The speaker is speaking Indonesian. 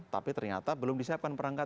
tapi ternyata belum disiapkan perangkat